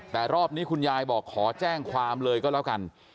แต่รอบนี้คุณยายบอกขอแจ้งความเลยก็แล้วกัน